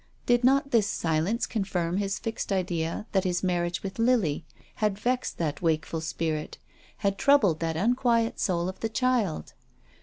Did not this silence confirm his fixed idea that his marriage with Lily had vexed that wakeful spirit, had troubled that unquiet soul of the child?